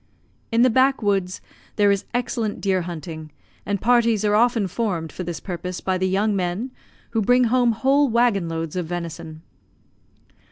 In the back woods there is excellent deer hunting, and parties are often formed for this purpose by the young men, who bring home whole waggon loads of venison.